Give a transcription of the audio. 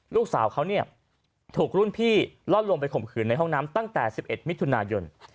ลูกสาวเขาเนี่ยถูกรุ่นพี่ล่อลวงไปข่มขืนในห้องน้ำตั้งแต่๑๑มิถุนายน